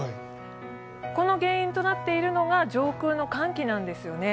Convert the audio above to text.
この原因となっているのが上空の寒気なんですよね。